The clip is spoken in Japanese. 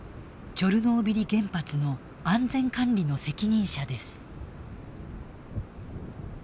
チョルノービリ原発の安全管理の責任者です。